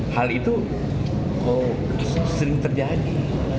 hal itu sering terjadi